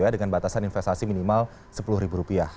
dengan batasan investasi minimal sepuluh ribu rupiah